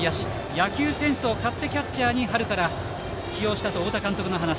野球センスを買って春からキャッチャーに起用した太田監督の話。